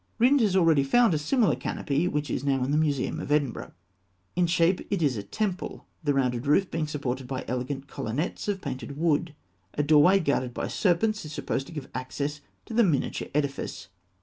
Rhind had already found a similar canopy, which is now in the Museum of Edinburgh (fig. 265). In shape it is a temple, the rounded roof being supported by elegant colonnettes of painted wood. A doorway guarded by serpents is supposed to give access to the miniature edifice.